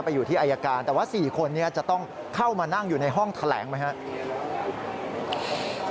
อยู่ที่อายการแต่ว่า๔คนนี้จะต้องเข้ามานั่งอยู่ในห้องแถลงไหมครับ